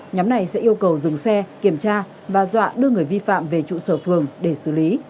nhóm này sẽ yêu cầu dừng xe kiểm tra và dọa đưa người vi phạm về trụ sở phường để xử lý